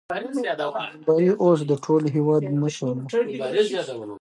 زنداني اوس د ټول هېواد مشر و.